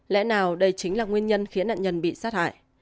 lẽ nào đây chính là nguyên nhân khiến nạn nhân bị sát hại